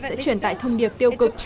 sẽ truyền tại thông điệp tiêu cực